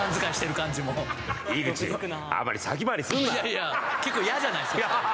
いやいや結構嫌じゃないですか？